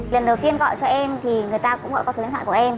lần đầu tiên gọi cho em thì người ta cũng gọi qua số điện thoại của em